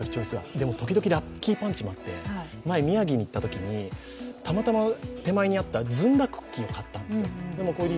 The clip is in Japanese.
でも、時々ラッキーパンチもあって宮城に行ったときに、たまたま手前にあったずんだクッキーを買ったんですよ。